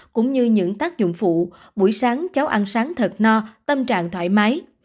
cũng như những tác dụng phụ buổi sáng cháu ăn sáng thật no tâm trạng thoải mái